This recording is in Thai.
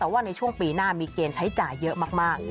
แต่ว่าในช่วงปีหน้ามีเกณฑ์ใช้จ่ายเยอะมาก